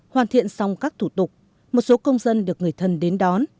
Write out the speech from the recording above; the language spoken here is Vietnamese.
hoàn thiện xong các thủ tục một số công dân được người thân đến đón